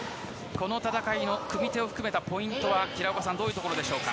この戦いの組み手を含めたポイントは平岡さんどういうところでしょうか。